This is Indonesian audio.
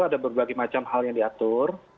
ada berbagai macam hal yang diatur